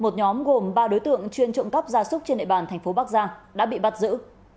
ba đối tượng chuyên trộm cắp ra súc trên hệ bàn thành phố bắc giang đã bị bắt giữ